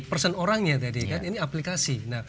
person orangnya tadi kan ini aplikasi